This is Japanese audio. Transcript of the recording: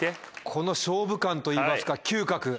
この勝負勘といいますか嗅覚。